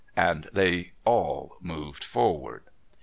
And they all moved forward.